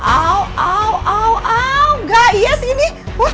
au au au au gak iya sih ini